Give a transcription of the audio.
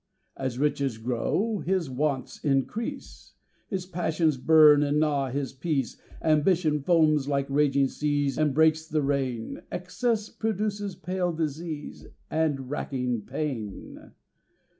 As riches grow his wants increase, His passions burn and gnaw his peace, Ambition foams like raging seas And breaks the rein, Excess produces pale disease And racking pain.